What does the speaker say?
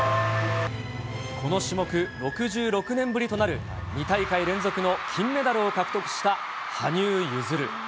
この種目、６６年ぶりとなる２大会連続の金メダルを獲得した羽生結弦。